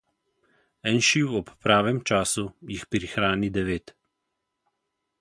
En šiv ob pravem času, jih prihrani devet.